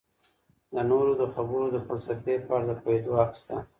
د نورو د خبرو د فلسفې په اړه د پوهیدو حق سته.